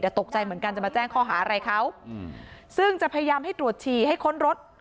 ตกใจเหมือนกันจะมาแจ้งข้อหาอะไรเขาอืมซึ่งจะพยายามให้ตรวจฉี่ให้ค้นรถ